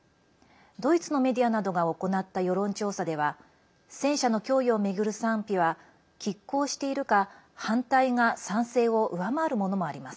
ドイツのメディアなどが行った世論調査では戦車の供与をめぐる賛否はきっ抗しているか反対が賛成を上回るものもあります。